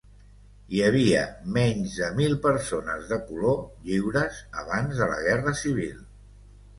Hi havia menys de mil persones de color lliures abans de la Guerra Civil.